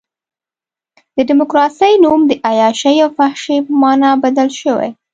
د ډیموکراسۍ نوم د عیاشۍ او فحاشۍ په معنی بدل شوی.